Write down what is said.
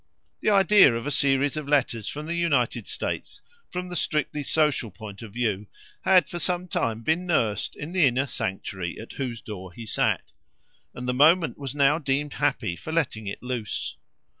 The idea of a series of letters from the United States from the strictly social point of view had for some time been nursed in the inner sanctuary at whose door he sat, and the moment was now deemed happy for letting it loose.